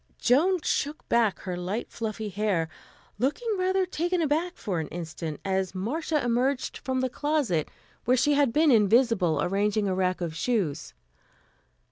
Joan shook back her light fluffy hair, looking rather taken aback for an instant, as Marcia emerged from the closet, where she had been invisible, arranging a rack of shoes.